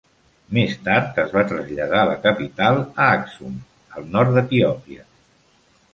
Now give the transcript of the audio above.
Més tard, es va traslladar la capital a Aksum, al nord d'Etiòpia.